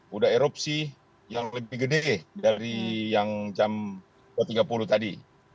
sudah erupsi yang lebih gede dari yang jam tiga puluh tadi